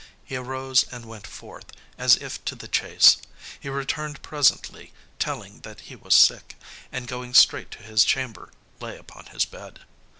He arose and went forth, as if to the chase. He returned presently, telling that he was sick, and going straight to his chamber, lay upon his bed.